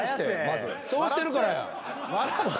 そうしてるからや。